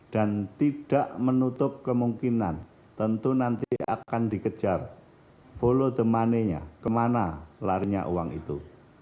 dan tidak menutup kemungkinan tentu nanti akan dikejar follow the money nya kemana larinya uang itu